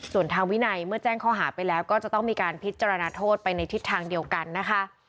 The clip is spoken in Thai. ส่วนทางวินัยเมื่อแจ้งข้อหาไปแล้วก็จะต้องมีการพิจารณาโทษไปในทิศทางเดียวกันนะคะ